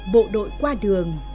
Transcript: bộ đội qua đường